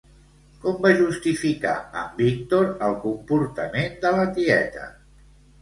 Com va justificar en Víctor el comportament de la tieta?